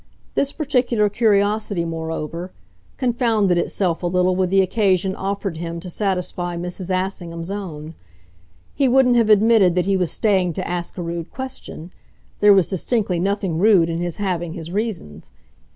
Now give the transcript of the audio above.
This particular curiosity, moreover, confounded itself a little with the occasion offered him to satisfy Mrs. Assingham's own; he wouldn't have admitted that he was staying to ask a rude question there was distinctly nothing rude in his having his reasons.